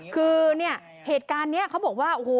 คือเนี่ยเหตุการณ์นี้เขาบอกว่าโอ้โห